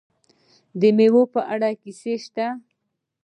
د میوو په اړه کیسې شته.